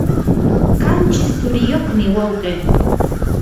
qanchis tsuriyuqmi wawqi.